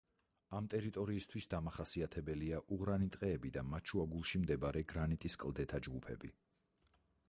ამ ტერიტორიისთვის დამახასიათებელია უღრანი ტყეები და მათ შუაგულში მდებარე გრანიტის კლდეთა ჯგუფები.